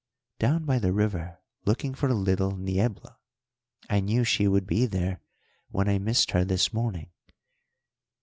"Down by the river looking for little Niebla. I knew she would be there when I missed her this morning."